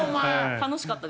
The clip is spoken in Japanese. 楽しかったですよ。